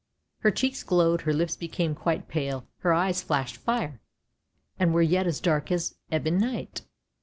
Her cheeks glowed, her lips became quite pale; her eyes flashed fire, and were yet as dark as ebon night.